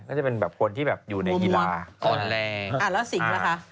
ก็จะเป็นคนที่อยู่ในฮีลาอ่ะแล้วสิงห์ล่ะคะ